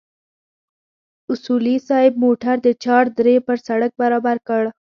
اصولي صیب موټر د چار درې پر سړک برابر کړ.